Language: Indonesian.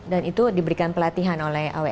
dan itu diberikan pelatihan oleh aws